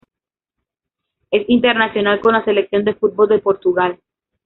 Es internacional con la selección de fútbol de Portugal.